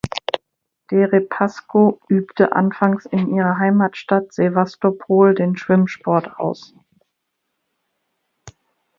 Derepasko übte anfangs in ihrer Heimatstadt Sewastopol den Schwimmsport aus.